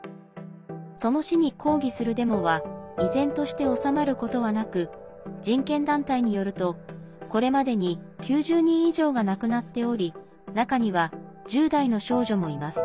その死に抗議するデモは依然として収まることはなく人権団体によると、これまでに９０人以上が亡くなっており中には１０代の少女もいます。